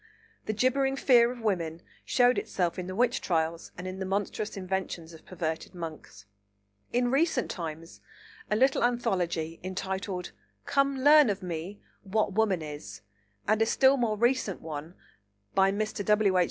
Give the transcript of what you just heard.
The gibbering fear of women showed itself in the witch trials and in the monstrous inventions of perverted monks. In recent times a little anthology entitled, Come learn of Me what Woman is, and a still more recent one by Mr. W. H.